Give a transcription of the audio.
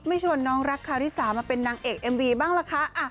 ชวนน้องรักคาริสามาเป็นนางเอกเอ็มวีบ้างล่ะคะ